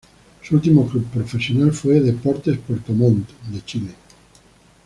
Su último club profesional fue Deportes Puerto Montt de Chile.